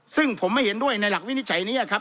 ซึ่งผมไม่เห็นด้วยในหลักวินิจฉัยนี้ครับ